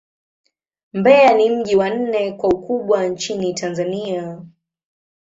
Mbeya ni mji wa nne kwa ukubwa nchini Tanzania.